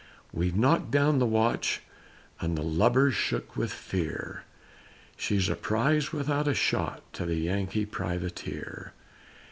We knocked down the watch, And the lubbers shook for fear, She's a prize without a shot To the Yankee Privateer.